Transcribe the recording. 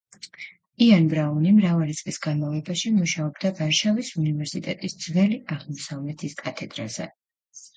იან ბრაუნი მრავალი წლის განმავლობაში მუშაობდა ვარშავის უნივერსიტეტის ძველი აღმოსავლეთის კათედრაზე.